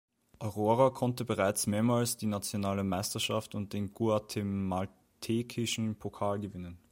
Aurora konnte bereits mehrmals die nationale Meisterschaft und den guatemaltekischen Pokal gewinnen.